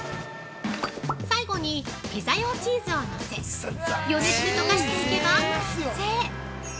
最後に、ピザ用チーズをのせ、余熱で溶かしていけば、完成。